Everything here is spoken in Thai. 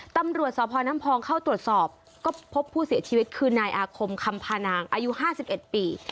ตำรวจสพน้ำพองเข้าตรวจสอบก็พบผู้เสียชีวิตคือนายอาคมคำพานางอายุ๕๑ปี